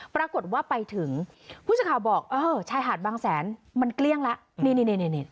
ปรากฏว่าไปถึงผู้ชาวบอกชายหาดบางแสนมันเกลี้ยงแล้ว